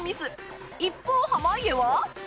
一方濱家は